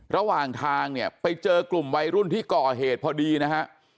ระหว่างทางเนี่ยไปเจอกลุ่มวัยรุ่นที่ก่อเหตุพอดีนะฮะ